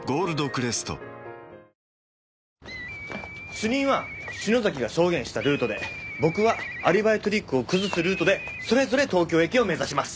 主任は篠崎が証言したルートで僕はアリバイトリックを崩すルートでそれぞれ東京駅を目指します。